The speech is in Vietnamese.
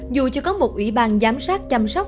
dù chưa có một ủy ban giám sát chăm sóc